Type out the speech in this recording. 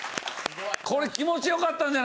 これ気持ち良かったんじゃないですか？